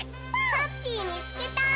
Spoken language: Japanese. ハッピーみつけた！